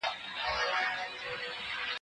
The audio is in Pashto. زه پرون ښوونځی ته وم!.